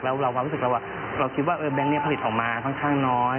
แล้วเราความรู้สึกว่าเราคิดว่าเออแบงค์นี้ผลิตออกมาตั้งน้อย